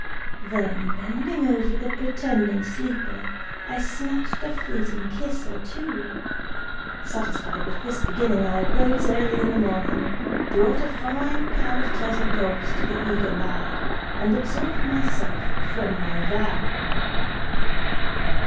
Then, bending over the pretending sleeper, I snatched a fleeting kiss or two. Satisfied with this beginning, I arose early in the morning, brought a fine pair of turtle doves to the eager lad, and absolved myself from my vow."